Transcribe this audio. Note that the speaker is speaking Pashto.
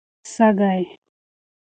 سږی